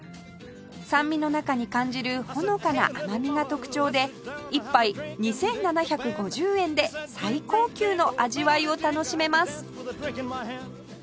酸味の中に感じるほのかな甘みが特徴で１杯２７５０円で最高級の味わいを楽しめます